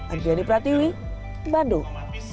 adriani pratiwi bandung